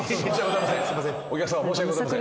お客さま申し訳ございません。